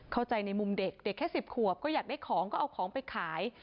เข้าใจในมุมเด็กเด็กแค่๑๐ขวบก็อยากได้ของก็เอาของไปขาย